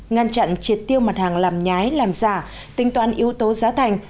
ngăn chặn triệt tiêu mặt hàng làm nhái làm giả tính toán yếu tố giá thành